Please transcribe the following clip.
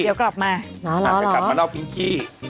หรออาจจะกลับมาเล่าปิงกี้